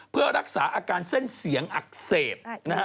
เพื่อรักษาอาการเส้นเสียงอักเสบนะฮะ